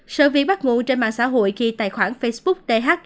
sở viên bắt ngủ trên mạng xã hội khi tài khoản facebook th